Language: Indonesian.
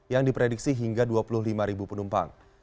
yang diprediksi hingga dua puluh lima ribu penumpang